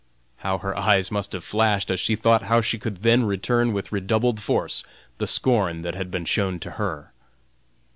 How her eyes must have flashed as she thought how she could then return with redoubled force the scorn that had been shown to her!